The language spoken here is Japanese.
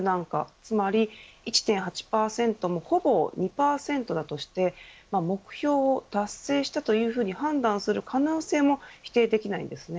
つまり、１．８％もほぼ２％だとして目標を達成したという判断をする可能性も否定できないんですね。